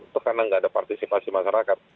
itu karena nggak ada partisipasi masyarakat